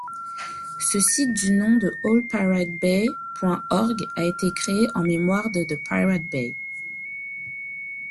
Ce site du nom de oldpiratebay.org a été créé en mémoire de ThePirateBay.